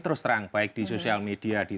terus terang baik di sosial media di